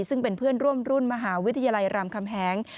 ซึ่งเป็นเพื่อนร่วมรุ่นมหาวิทยาลัยรามคำแหง